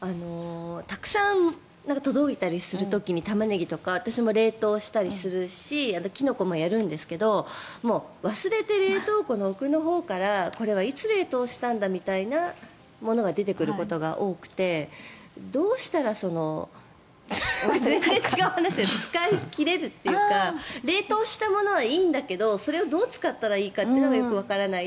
たくさん届いたりする時にタマネギとか私も冷凍したりするしキノコもやるんですが忘れて冷凍庫の奥のほうからこれはいつ冷凍したんだみたいなものが出てくることが多くてどうしたら全然違う話ですが使い切れるっていうか冷凍したものはいいんだけどそれをどう使ったらいいのかというのがよくわからない。